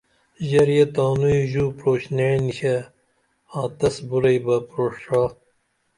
ژریے تانوئی ژو پُروش نیع نیشے آں تس بُراعی بہ پُروش ڜا